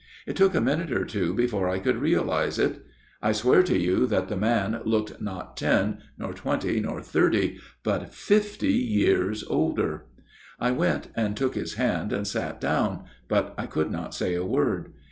It took a minute or two before I could realize it. I swear to you that the man looked, not ten, nor twenty, nor thirty, but fifty years older. " I went and took his hand and sat down, but I could not say a word.